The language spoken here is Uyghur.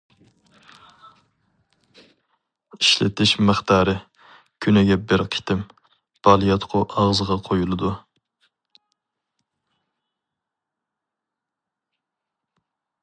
ئىشلىتىش مىقدارى: كۈنىگە بىر قېتىم، بالىياتقۇ ئاغزىغا قويۇلىدۇ.